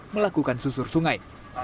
melakukan susur sungai